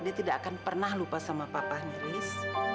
dia tidak akan pernah lupa sama papa miris